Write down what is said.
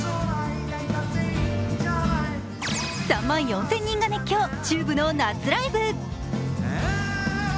３万４０００人が熱狂、ＴＵＢＥの夏ライブ。